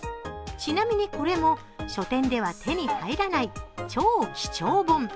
ちなみにこれも書店では手に入らない超貴重本。